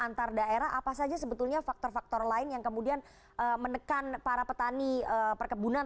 antar daerah apa saja sebetulnya faktor faktor lain yang kemudian menekan para petani perkebunan